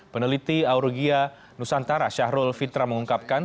peneliti aurugia nusantara syahrul fitra mengungkapkan